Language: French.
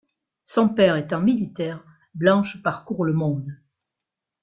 Son père étant militaire, Blanche parcourt le monde.